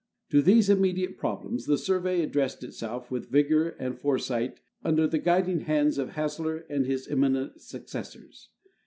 COAST SURVEY 295 To these immediate problems the Survey addressed itself with vigor and foresight under the guiding hands of Hassler and his eminent successors.